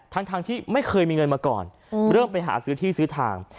ทั้งที่ไม่เคยมีเงินมาก่อนเริ่มไปหาซื้อที่ซื้อทาง